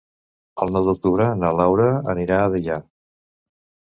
El nou d'octubre na Laura anirà a Deià.